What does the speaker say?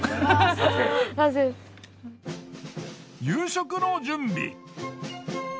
夕食の準備。